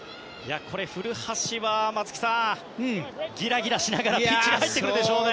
古橋は松木さん、ギラギラしながらピッチに入ってくるでしょうね。